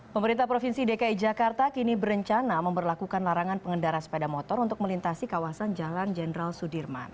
pemerintah provinsi dki jakarta kini berencana memperlakukan larangan pengendara sepeda motor untuk melintasi kawasan jalan jenderal sudirman